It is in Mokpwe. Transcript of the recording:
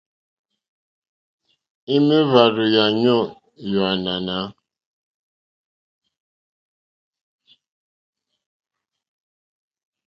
Ima èhvàrzù ya nyoò e ò ànànà?